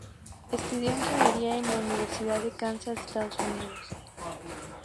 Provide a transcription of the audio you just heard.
Estudió ingeniería en la Universidad de Kansas, Estados Unidos.